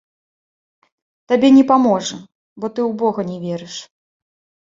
Табе не паможа, бо ты ў бога не верыш.